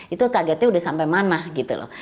itu targetnya udah sampai mana gitu loh